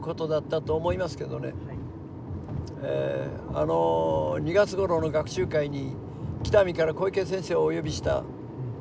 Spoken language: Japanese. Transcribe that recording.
あの２月ごろの学習会に北見から小池先生をお呼びした。